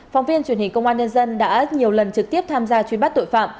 phóng viên truyền hình công an nhân dân đã nhiều lần trực tiếp tham gia truy bắt tội phạm